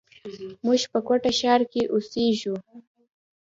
موږ په کوټه ښار کښي اوسېږي.